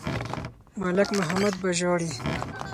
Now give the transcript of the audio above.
ملک محمد به ژاړي.